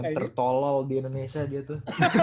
pemain tertolol di indonesia dia tuh